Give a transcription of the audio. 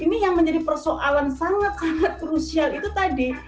ini yang menjadi persoalan sangat sangat krusial itu tadi